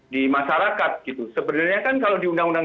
di masyarakat sebenarnya kan kalau di undang undang tiga belas